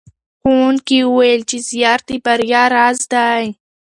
ښوونکي وویل چې زیار د بریا راز دی.